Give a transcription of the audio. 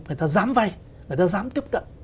người ta dám vay người ta dám tiếp cận